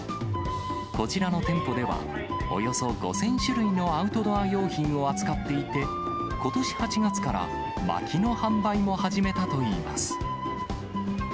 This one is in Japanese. こちらの店舗では、およそ５０００種類のアウトドア用品を扱っていて、ことし８月からまきの販売も始めたといいます。